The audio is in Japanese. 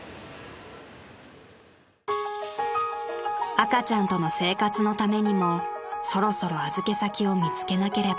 ［赤ちゃんとの生活のためにもそろそろ預け先を見つけなければ］